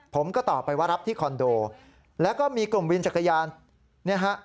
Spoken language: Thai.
ผมก็ตอบไปว่ารับที่คอนโดแล้วก็มีกลุ่มวินจักรยานเนี่ยฮะ